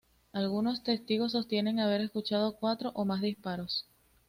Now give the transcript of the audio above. Algunos testigos sostienen haber escuchado cuatro o más disparos.